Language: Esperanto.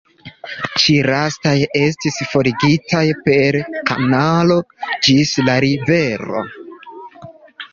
Ĉi lastaj estis forigitaj per kanalo ĝis la rivero.